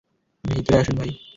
ভিতরে আসুন, ভাই।